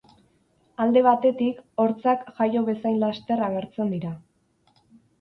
Alde batetik, hortzak jaio bezain laster agertzen dira.